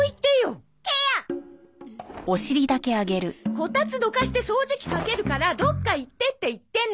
こたつどかして掃除機かけるからどっか行ってって言ってんの！